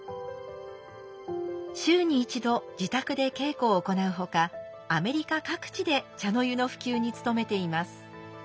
週に一度自宅で稽古を行うほかアメリカ各地で茶の湯の普及に努めています。